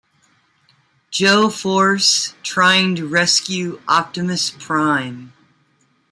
Joe force trying to rescue Optimus Prime.